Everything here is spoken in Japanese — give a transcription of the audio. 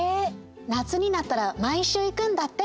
夏になったら毎週行くんだって。